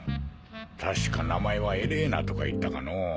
確か名前はエレーナとかいったかのぉ。